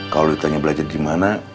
kalau ditanya belajar dimana